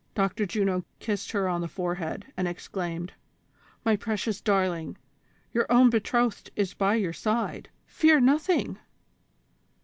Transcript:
Dr. Juno kissed her on the forehead, and exclaimed : "My precious darling, your own betrothed is by your side ; fear nothing."